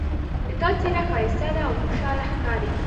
د تا څېره ښایسته ده او خوشحاله ښکاري